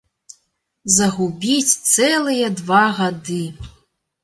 Загубіць цэлыя два гады!